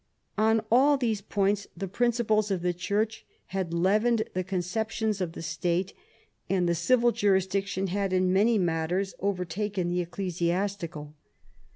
On all these points the principles of the Church had leavened the conceptions of the State, and the civil jurisdiction had in many matters overtaken the ecclesias tical.